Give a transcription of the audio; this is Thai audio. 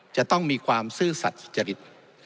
จะต้องมีความซื่อสัตว์สุจริต